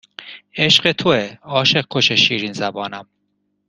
عشق توئه عاشق کش شیرین زبانم